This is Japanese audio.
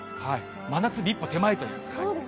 真夏日一歩手前ということで。